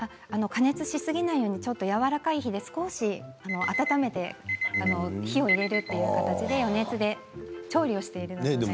加熱しすぎないようにやわらかい火で少し温めて火を入れるという形で余熱で調理をしている感じです。